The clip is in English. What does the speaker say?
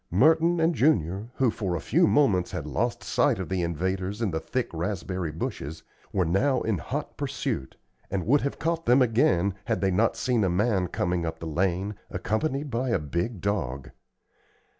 Merton and Junior, who for a few moments had lost sight of the invaders in the thick raspberry bushes, were now in hot pursuit, and would have caught them again, had they not seen a man coming up the lane, accompanied by a big dog.